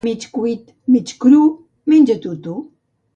Mig cuit, mig cru, menja-t'ho tu.